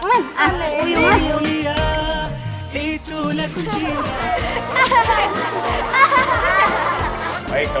oh boleh silahkan silahkan